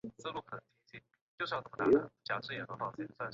苹果甜又便宜